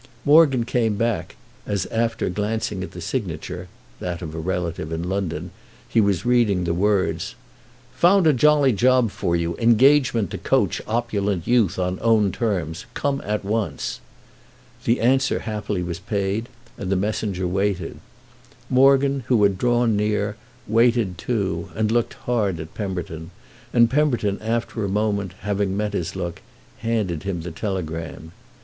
Morgan came back as, after glancing at the signature—that of a relative in London—he was reading the words: "Found a jolly job for you, engagement to coach opulent youth on own terms. Come at once." The answer happily was paid and the messenger waited. Morgan, who had drawn near, waited too and looked hard at Pemberton; and Pemberton, after a moment, having met his look, handed him the telegram.